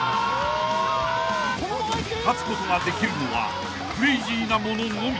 ［勝つことができるのはクレイジーな者のみ］